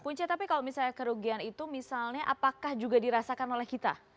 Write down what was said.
punca tapi kalau misalnya kerugian itu misalnya apakah juga dirasakan oleh kita